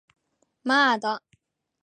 まーだ